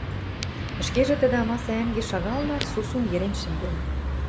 Ӹшкежӹ тӹдӹ амаса ӓнгеш шагалынат, сусун йӹрен шӹнден.